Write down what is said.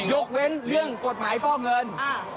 ยกเว้นเรื่องกฎหมายฟอกเงิน